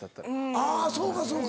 あそうかそうか。